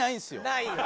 ないよね。